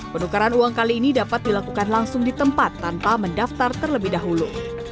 penukaran uang kali ini dapat dilakukan langsung di tempat tanpa mendaftar terlebih dahulu